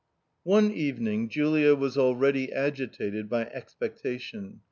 One evening Julia was already agitated by expectation.